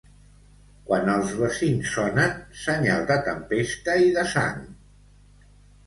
Quan els bacins sonen, senyal de tempesta i de sang.